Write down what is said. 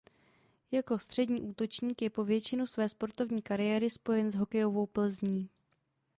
Jako střední útočník je po většinu své sportovní kariéry spojen s hokejovou Plzní.